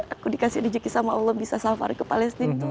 aku dikasih dijeki sama allah bisa safar ke palestine tuh